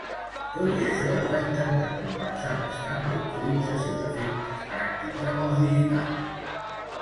Tot i això, es va intentar compensar bastant la utilització d'efectes pràctics amb els digitals.